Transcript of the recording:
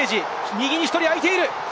右に１人あいている。